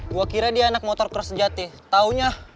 gua kira dia anak motocross sejati taunya